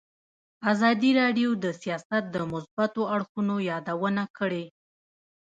ازادي راډیو د سیاست د مثبتو اړخونو یادونه کړې.